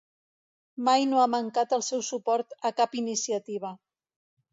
Mai no ha mancat el seu suport a cap iniciativa.